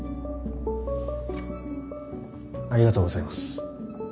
ありがとうございます。